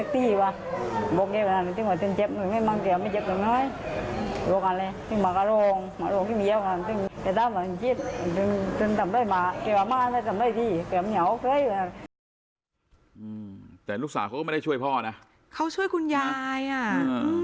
แต่ลูกสาวเขาก็ไม่ได้ช่วยพ่อนะเขาช่วยคุณยายอ่ะ